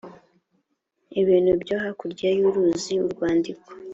ibintu byo hakurya y’uruzi urwandiko,